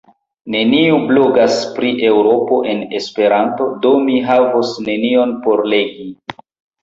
Neniu blogas pri Eŭropo en Esperanto, do mi havos nenion por legi.